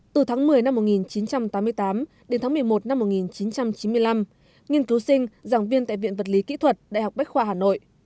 từ tháng một mươi năm một nghìn chín trăm tám mươi tám đến tháng một mươi một năm một nghìn chín trăm chín mươi năm nghiên cứu sinh giảng viên tại viện vật lý kỹ thuật đại học bách khoa hà nội